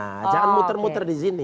jadi jangan muter muter di sini